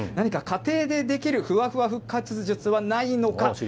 何か家庭でできるふわふわ復活術はないのか。